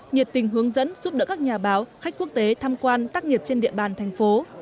nhiệt tình hướng dẫn giúp đỡ các nhà báo khách quốc tế tham quan tác nghiệp trên địa bàn thành phố